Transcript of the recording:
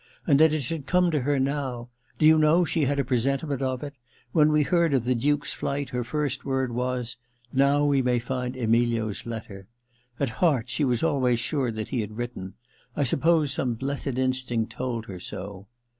And that it should come to her now ! Do you know, she had a presentiment of it ? When we heard of the Duke*s flight her first word was :" Now we may find Emilio's letter." At heart she was always sure that he had written — I suppose some blessed instinct told her so.'